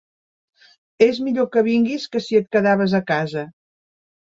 És millor que vinguis que si et quedaves a casa.